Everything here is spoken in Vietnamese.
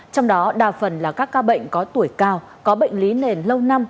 trong đó đa phần là các ca bệnh có tuổi cao có bệnh lý nền lâu năm